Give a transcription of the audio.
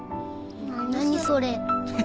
何それ。